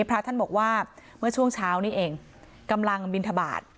พระท่านบอกว่าเมื่อช่วงเช้านี้เองกำลังบินทบาท